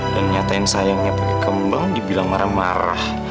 dan nyatain sayangnya pake kembang dibilang marah marah